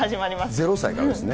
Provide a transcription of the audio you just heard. ゼロ歳からですね？